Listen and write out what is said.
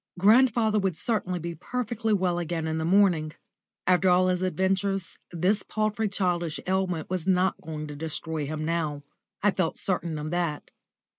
Grandfather would certainly be perfectly well again in the morning. After all his adventures, this paltry childish ailment was not going to destroy him now. I felt very certain of that.